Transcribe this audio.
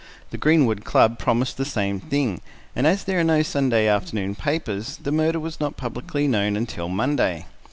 The Greenwood Club promised the same thing, and as there are no Sunday afternoon papers, the murder was not publicly known until Monday.